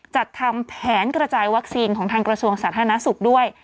จัดทำแผนกระจายวัคซีนของทางกระทรวงสาธารณสุขด้วย